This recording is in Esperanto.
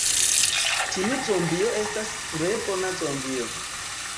Tiu zombio estas tre bona zombio.